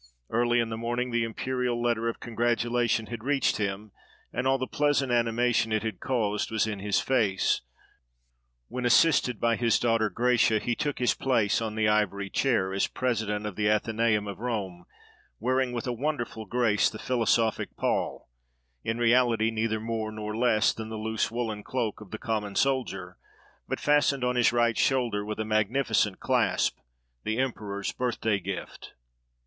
Early in the morning the imperial letter of congratulation had reached him; and all the pleasant animation it had caused was in his face, when assisted by his daughter Gratia he took his place on the ivory chair, as president of the Athenaeum of Rome, wearing with a wonderful grace the philosophic pall,—in reality neither more nor less than the loose woollen cloak of the common soldier, but fastened on his right shoulder with a magnificent clasp, the emperor's birthday gift.